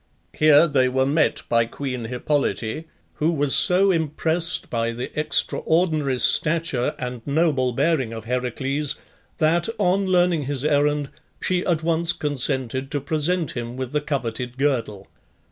Here they were met by queen Hippolyte, who was so impressed by the extraordinary stature and noble bearing of Heracles that, on learning his errand, she at once consented to present him with the coveted girdle.